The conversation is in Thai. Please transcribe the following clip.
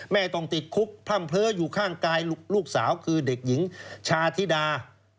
ต้องติดคุกพร่ำเพลออยู่ข้างกายลูกสาวคือเด็กหญิงชาธิดา